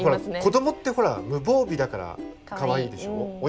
子どもってほら無防備だからかわいいでしょう。